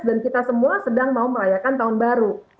dan kita semua sedang mau merayakan tahun baru